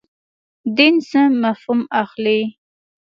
دین څخه مفهوم اخلئ.